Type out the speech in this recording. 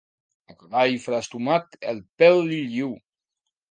A cavall flastomat el pèl li lluu.